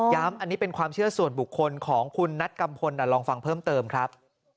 อันนี้เป็นความเชื่อส่วนบุคคลของคุณนัทกัมพลลองฟังเพิ่มเติมครับ